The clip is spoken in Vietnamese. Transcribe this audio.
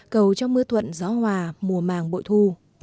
cầu cho mưa thuận gió hòa mùa màng bội thu